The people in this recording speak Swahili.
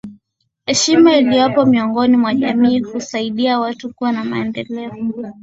Heshima iliyopo miongoni mwa jamii husaidia watu kuwa na maendeleo